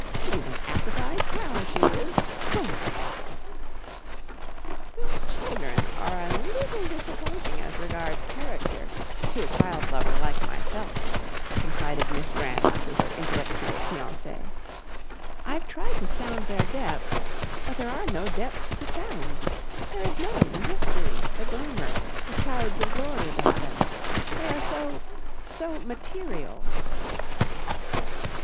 She's an assified cow, she is. Humph!" [Illustration: "SHE'S A SOPPY OLD LUNY!" DORITA REMARKED SWEETLY.] "Those children are a leetle disappointing as regards character to a child lover like myself," confided Miss Grant to her intellectual fiancé. "I've tried to sound their depths, but there are no depths to sound. There is none of the mystery, the glamour, the 'clouds of glory' about them. They are so so material."